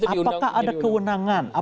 apakah ada kewenangan